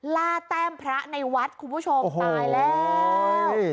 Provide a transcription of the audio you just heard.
แต้มพระในวัดคุณผู้ชมตายแล้ว